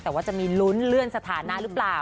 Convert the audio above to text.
แต่ว่าจะมีลุ้นเลื่อนสถานะหรือเปล่า